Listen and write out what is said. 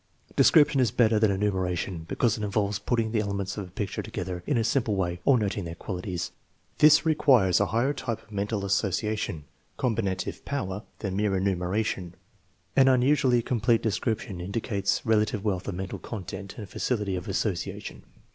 Description is better than enumeration be ' cause it involves putting the elements of a picture to gether in a simple way or noting their qualities. This requires a higher type of mental association (combinative TEST NO. VII, 3 193 power) than mere enumeration. An unusually complete description indicates relative wealth of mental content and facility of association.